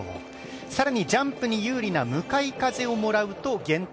更にジャンプに有利な向かい風をもらうと、原点。